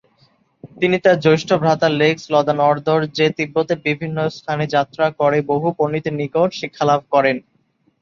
তিনি তার জ্যৈষ্ঠ ভ্রাতা লেগ্স-ল্দান-র্দো-র্জে তিব্বতের বিভিন্ন স্থানে যাত্রা করে বহু পন্ডিতের নিকট শিক্ষালাভ করেন।